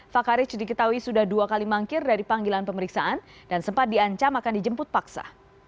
fakar rich diketahui sudah dua kali mangkir dari panggilan pemeriksaan dan sempat diancam akan dijemput paksa